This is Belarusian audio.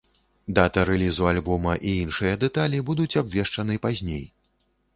Дата рэлізу альбома і іншыя дэталі будуць абвешчаны пазней.